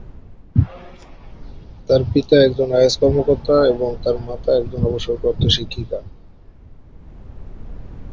তার পিতা একজন আইএএস কর্মকর্তা এবং তার মাতা একজন অবসরপ্রাপ্ত শিক্ষিকা।